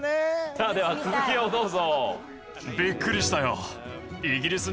さあでは続きをどうぞ。